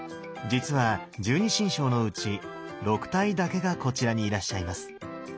実は十二神将のうち６体だけがこちらにいらっしゃいます。